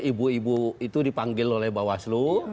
ibu ibu itu dipanggil oleh bawaslu